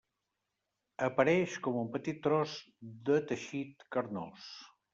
Apareix com un petit tros de teixit carnós.